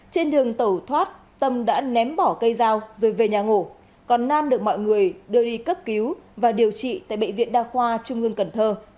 trên đường tẩu thoát tâm đã ném bỏ cây dao rồi về nhà ngủ còn nam được mọi người đưa đi cấp cứu và điều trị tại bệnh viện đa khoa trung ương cần thơ